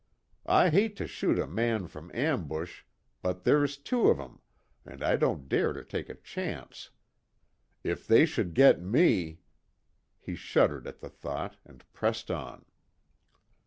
I hate to shoot a man from ambush but there's two of 'em, and I don't dare to take a chance. If they should get me " he shuddered at the thought, and pressed on.